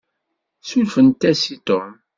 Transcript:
Ssurfemt-as i Tom.